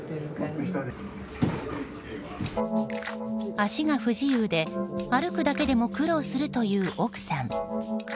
足が不自由で、歩くだけでも苦労するという奥さん。